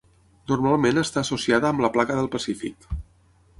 Normalment està associada amb la placa del Pacífic.